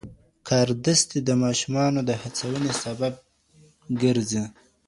کاردستي د ماشومانو د هڅونې سبب ګرځي.